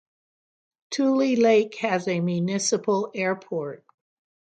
Tulelake has a municipal airport.